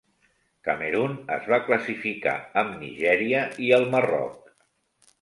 Camerun es va classificar amb Nigèria i el Marroc.